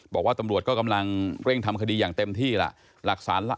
บอกว่าตำรวจก็กำลังเร่งทำคดีอย่างเต็มที่ล่ะ